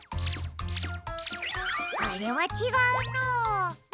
あれはちがうな。